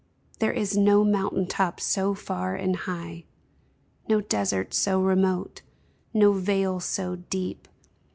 There is no mountain top so far and high, No desert so remote, no vale so deep.